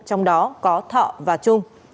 trong đó có thọ và chung